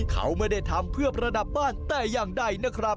เขาไม่ได้ทำเพื่อประดับบ้านแต่อย่างใดนะครับ